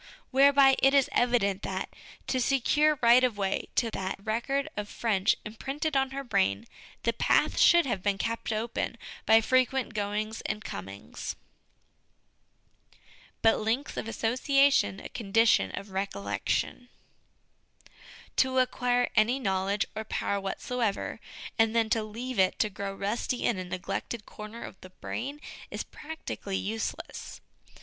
Whereby it is evident that, to secure right of way to that record of French imprinted on her brain, the path should have been kept open by frequent goings and comings. But Links of Association a Condition of Recollection. To acquire any knowledge or power whatsoever, and then to leave it to grow rusty in a neglected corner of the brain, is practically useless.